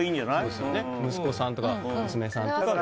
息子さんとか娘さんとか。